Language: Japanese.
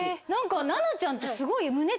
奈々ちゃんてすごい。